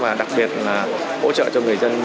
và đặc biệt là hỗ trợ cho người dân